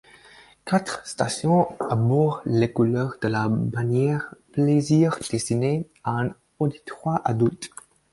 Quatre stations arborent les couleurs de la bannière Plaisir destinée à un auditoire adulte.